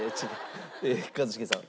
一茂さん。